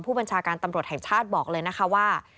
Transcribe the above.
ผู้บัญชาการตำรวจแห่งชาติบอกเลยนะคะว่า